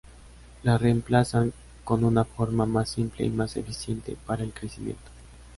Las reemplazan con una forma más simple y más eficiente para el crecimiento.